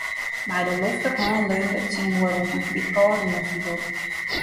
Mei de lofterhân leunde er tsjin de muorre oan, dy't kâld oanfielde.